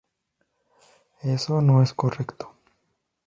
Eso no es correcto.